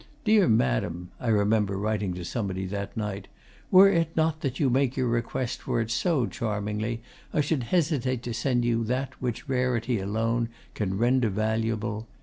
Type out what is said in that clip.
"Dear Madam," I remember writing to somebody that night, "were it not that you make your request for it so charmingly, I should hesitate to send you that which rarity alone can render valuable.